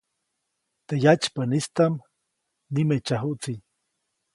Teʼ yatsypäʼnistaʼm nimeʼtsyajuʼtsi.